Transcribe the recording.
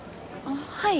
はい。